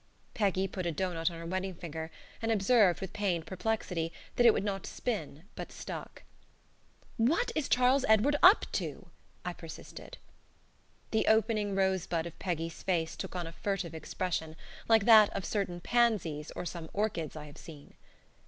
Peggy put a doughnut on her wedding finger and observed, with pained perplexity, that it would not spin, but stuck. "What is Charles Edward up to?" I persisted. The opening rose bud of Peggy's face took on a furtive expression, like that of certain pansies, or some orchids I have seen.